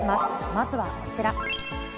まずはこちら。